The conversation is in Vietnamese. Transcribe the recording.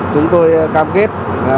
chúng tôi cam kết